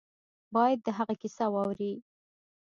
باید د هغه کیسه واوري.